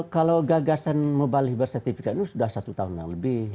kalau gagasan mubalik bersertifikat ini sudah satu tahun yang lebih